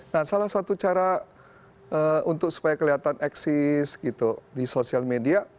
nah salah satu cara untuk supaya kelihatan eksis gitu di sosial media